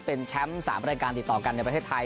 เป็นแชมป์๓รายการติดต่อกันในประเทศไทย